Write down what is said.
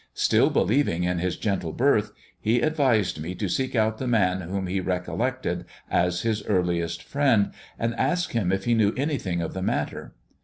Still believing in his gentle birth, he advised me to seek out the man whom he recollected as his earliest friend, and ask him if he knew anything of the matter.